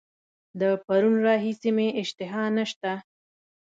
د پرون راهیسي مي اشتها نسته.